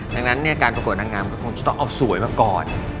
ดังนั้นเนี้ยเป้าหมายความเป็นปัดการมันก็คงต้องเอาไปสวยก่อน